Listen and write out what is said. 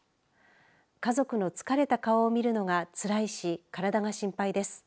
家族の疲れた顔を見るのがつらいし体が心配です。